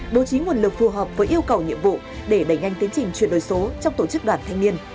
bố trí nguồn lực phù hợp với yêu cầu nhiệm vụ để đẩy nhanh tiến trình chuyển đổi số trong tổ chức đoàn thanh niên